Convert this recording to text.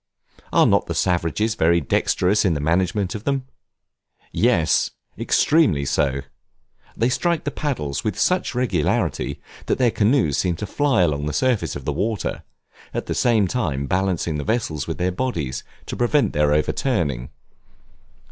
Are not the savages very dexterous in the management of them? Yes, extremely so; they strike the paddles with such regularity, that the canoes seem to fly along the surface of the water; at the same time balancing the vessels with their bodies, to prevent their overturning.